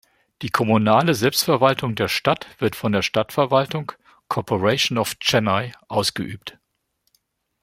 Die kommunale Selbstverwaltung der Stadt wird von der Stadtverwaltung "Corporation of Chennai" ausgeübt.